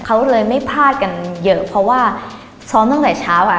เขาเลยไม่พลาดกันเยอะเพราะว่าซ้อมตั้งแต่เช้าอ่ะ